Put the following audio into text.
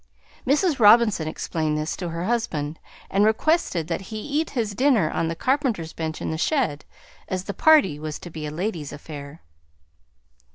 Mrs. Robinson explained this to her husband, and requested that he eat his dinner on the carpenter's bench in the shed, as the party was to be a ladies' affair.